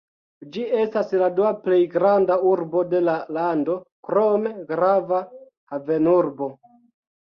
Ĝi estas la dua plej granda urbo de la lando, krome grava havenurbo.